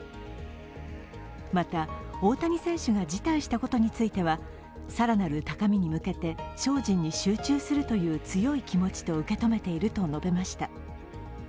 また、大谷選手が辞退したことについては更なる高みに向けて精進に集中するという強い気持ちと受け止めていると述べました。